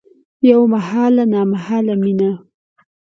یوه محاله نامحاله میینه